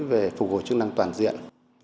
về phục hồi chức năng toàn diện